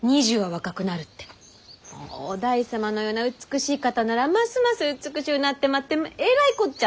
於大様のような美しい方ならますます美しゅうなってまってえらいこっちゃ！